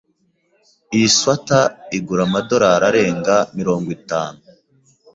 Iyi swater igura amadorari arenga mirongo itanu.